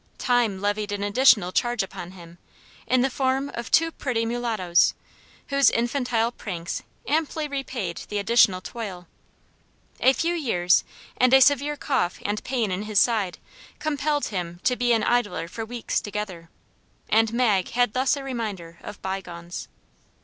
Time levied an additional charge upon him, in the form of two pretty mulattos, whose infantile pranks amply repaid the additional toil. A few years, and a severe cough and pain in his side compelled him to be an idler for weeks together, and Mag had thus a reminder of by gones.